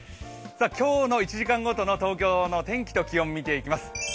今日の１時間ごとの東京の天気と気温、見ていきます。